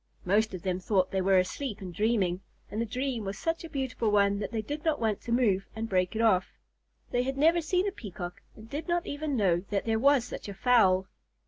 Most of them thought they were asleep and dreaming, and the dream was such a beautiful one that they did not want to move and break it off. They had never seen a Peacock and did not even know that there was such a fowl.